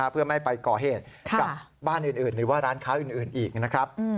เพื่อไม่ไปก่อเหตุกับบ้านอื่นหรือว่าร้านค้าอื่นอีกนะครับ